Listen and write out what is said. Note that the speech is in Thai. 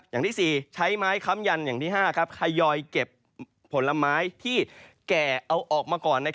อย่างที่๔ใช้ไม้ค้ำยันอย่างที่๕ทยอยเก็บผลไม้ที่แก่เอาออกมาก่อน